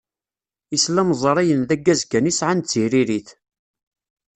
Islamẓriyen d aggaz kan i sɛan d tiririt.